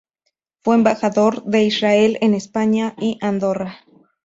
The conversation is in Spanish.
Fue embajador de Israel en España y Andorra.